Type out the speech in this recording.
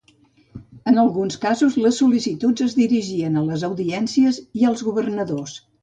En alguns casos les sol·licituds es dirigien a les audiències i als Governadors.